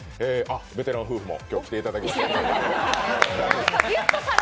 ベテラン夫婦も今日、来ていただいて。